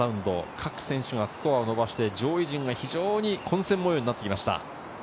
各選手がスコアを伸ばして、上位陣が非常に混戦模様になっていました。